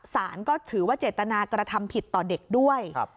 สารก็ถือว่าเจตนากระทำผิดต่อเด็กด้วย